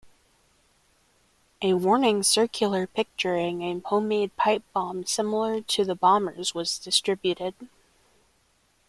A warning circular picturing a homemade pipe bomb similar to the bomber's was distributed.